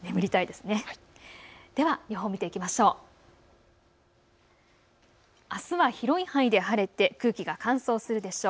では予報を見ていきましょう。